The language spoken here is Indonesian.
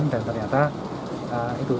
dan ternyata itu